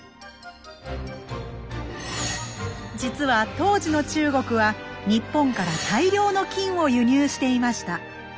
実は当時の中国は日本から大量の金を輸入していました。